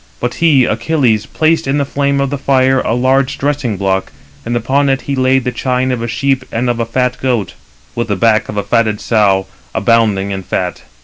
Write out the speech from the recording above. But he [Achilles] placed in the flame of the fire a large dressing block, and upon it he laid the chine of a sheep and of a fat goat, with the back of a fatted sow, abounding in fat.